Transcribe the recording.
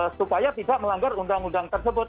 supaya tidak melanggar undang undang tersebut